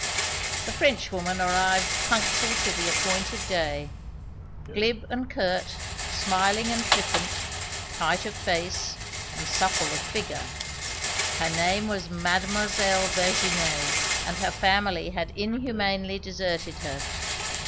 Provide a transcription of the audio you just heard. The Frenchwoman arrived punctual to the appointed day glib and curt, smiling and flippant, tight of face and supple of figure. Her name was Mademoiselle Virginie, and her family had inhumanly deserted her.